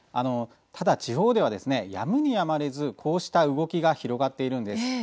ただ地方では、やむにやまれずこうした動きが広がっているんです。